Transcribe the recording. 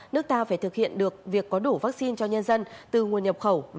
nước ta phải thực hiện được việc có đủ vắc xin cho nhân dân từ nguồn nhập khẩu và sản xuất ở trong nước